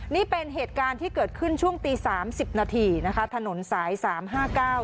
นี่เป็นเหตุการณ์ที่เกิดขึ้นช่วงตีสามสิบนาทีนะคะถนนสายสามห้าเก้า